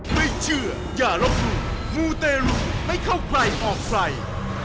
ไม่เชื่ออย่าลบหลู่มูเตรุไม่เข้าใครออกใคร